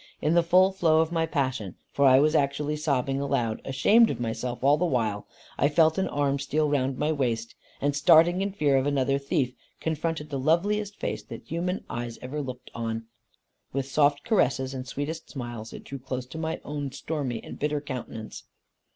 In the full flow of my passion, for I was actually sobbing aloud, ashamed of myself all the while, I felt an arm steal round my waist, and starting in fear of another thief, confronted the loveliest face that human eyes ever looked on. With soft caresses, and sweetest smiles, it drew close to my own stormy and bitter countenance.